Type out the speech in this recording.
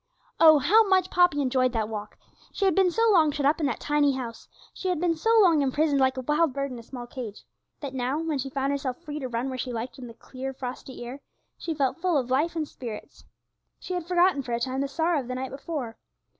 Oh, how much Poppy enjoyed that walk! She had been so long shut up in that tiny house, she had so long been imprisoned like a wild bird in a small cage, that now, when she found herself free to run where she liked in the clear, frosty air, she felt full of life and spirits. She had forgotten for a time the sorrow of the night before.